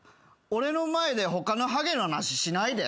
俺の前で他のはげの話しないで。